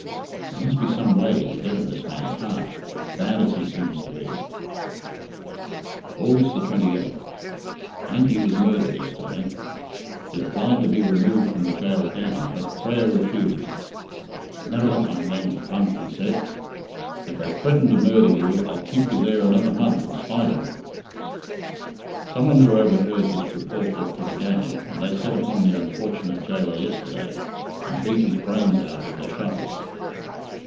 There must be some way to get at this man's heart, bad as he seems to be. August 28th. Hankey was murdered yesterday. He applied to be removed from the gaol gang, but Frere refused. "I never let my men 'funk'," he said. "If they've threatened to murder you, I'll keep you there another month in spite of 'em." Someone who overheard this reported it to the gang, and they set upon the unfortunate gaoler yesterday, and beat his brains out with their shovels.